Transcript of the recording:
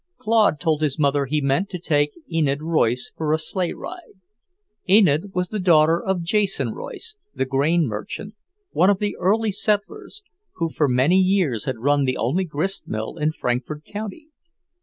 Claude told his mother he meant to take Enid Royce for a sleigh ride. Enid was the daughter of Jason Royce, the grain merchant, one of the early settlers, who for many years had run the only grist mill in Frankfort county.